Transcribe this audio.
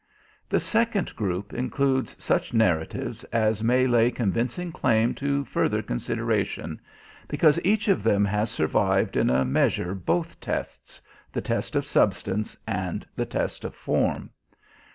The second group includes such narratives as may lay convincing claim to further consideration, because each of them has survived in a measure both tests, the test of substance and the test of form.